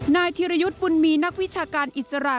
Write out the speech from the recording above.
ธิรยุทธ์บุญมีนักวิชาการอิสระ